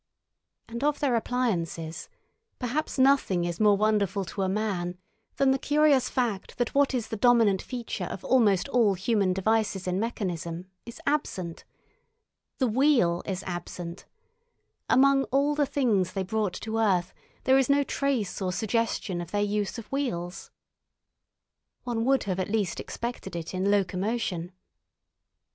And of their appliances, perhaps nothing is more wonderful to a man than the curious fact that what is the dominant feature of almost all human devices in mechanism is absent—the wheel is absent; among all the things they brought to earth there is no trace or suggestion of their use of wheels. One would have at least expected it in locomotion.